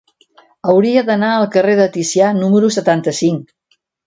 Hauria d'anar al carrer de Ticià número setanta-cinc.